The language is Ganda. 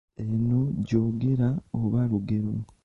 Eno njogera oba lugero?